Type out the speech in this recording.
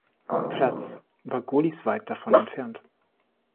Platz war Gohlis weit davon entfernt.